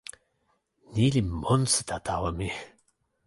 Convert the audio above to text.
ni li monsuta tawa mi.